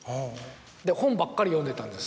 本ばっかり読んでたんです